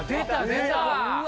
出た！